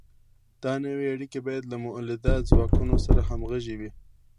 دا نوې اړیکې باید له مؤلده ځواکونو سره همغږې وي.